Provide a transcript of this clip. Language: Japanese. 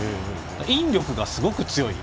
引力がすごく強い。